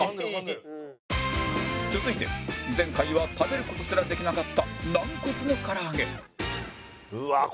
続いて前回は食べる事すらできなかった軟骨の唐揚げ